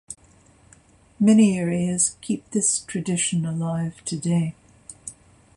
Many areas keep this tradition alive today.